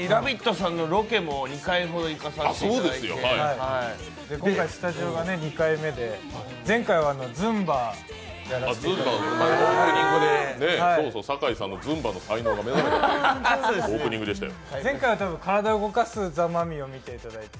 さんのロケも２回ほど行かさせていただいて今回スタジオが２回目で、前回はズンバをやらせていただいて。